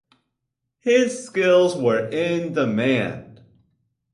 His skills were in demand.